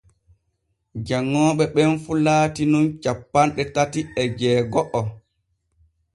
Janŋooɓe ɓen fu laati nun cappanɗe tati e jeego’o.